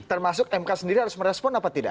termasuk mk sendiri harus merespon apa tidak